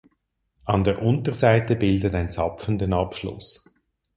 An der Unterseite bildet ein Zapfen den Abschluss.